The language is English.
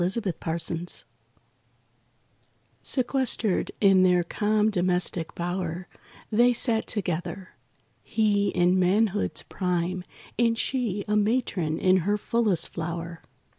DOMESTIC BLISS IV Sequestered in their calm domestic bower, They sat together. He in manhood's prime And she a matron in her fullest flower.